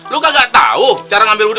lo gak tau cara ngambil wudhu